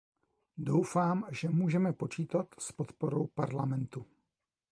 Doufám, že můžeme počítat s podporou Parlamentu.